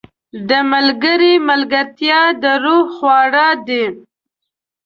• د ملګري ملګرتیا د روح خواړه دي.